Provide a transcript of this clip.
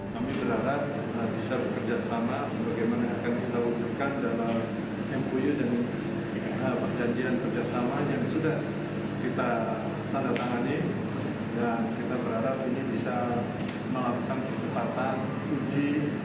dan mungkin bisa membantu sehingga ini bisa segera diketahui